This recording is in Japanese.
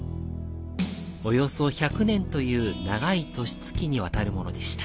約１００年という長い歳月にわたるものでした。